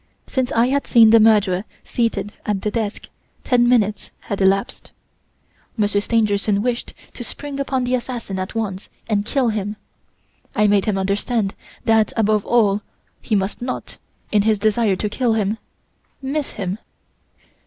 Since I had seen the murderer seated at the desk ten minutes had elapsed. Monsieur Stangerson wished to spring upon the assassin at once and kill him. I made him understand that, above all, he must not, in his desire to kill him, miss him.